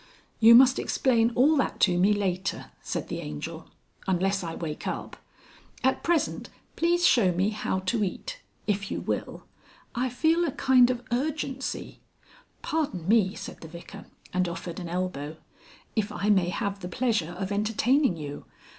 "You must explain all that to me later," said the Angel. "Unless I wake up. At present, please show me how to eat. If you will. I feel a kind of urgency...." "Pardon me," said the Vicar, and offered an elbow. "If I may have the pleasure of entertaining you.